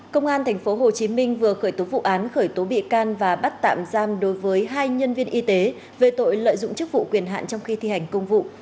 công an tp hcm vừa khởi tố vụ án khởi tố bị can và bắt tạm giam đối với hai nhân viên y tế về tội lợi dụng chức vụ quyền hạn trong khi thi hành công vụ